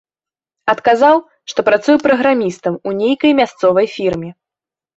Адказаў, што працуе праграмістам у нейкай мясцовай фірме.